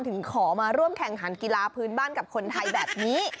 ถึงขอมาร่วมแข่งขันกีฬาพื้นบ้านกับคนไทยแบบนี้